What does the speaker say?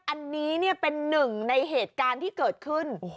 อันนี้เป็นหนึ่งในเหตุการณ์ที่เกิดขึ้น